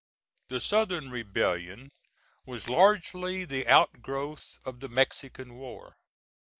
The Southern rebellion was largely the outgrowth of the Mexican war.